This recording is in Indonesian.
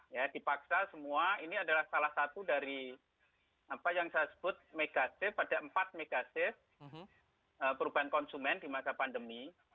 ya dipaksa semua ini adalah salah satu dari apa yang saya sebut megasive ada empat megasif perubahan konsumen di masa pandemi